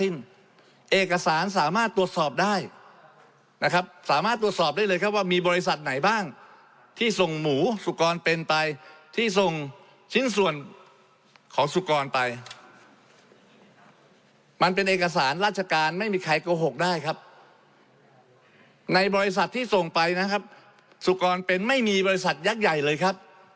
ในบริษัทที่ส่งไปนะครับสุกรณ์เป็นไม่มีบริษัทยักษ์ใหญ่เลยครับ